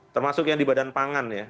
termasuk yang di badan pangan ya